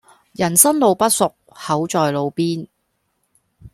人生路不熟口在路邊